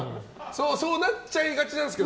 そうなっちゃいがちなんですよ